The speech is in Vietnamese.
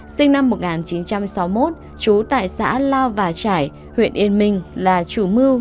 sinh năm một nghìn chín trăm sáu mươi một trú tại xã lao và trải huyện yên minh